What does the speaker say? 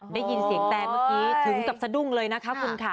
ได้ยินเสียงแต่เมื่อกี้ถึงกับสะดุ้งเลยนะคะคุณค่ะ